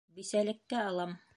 Бисәлеккә алам!